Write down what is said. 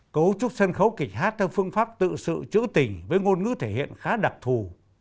cấu trúc sân khấu kịch hát theo phương pháp tự sự trữ tình với ngôn ngữ thể hiện khá đặc thù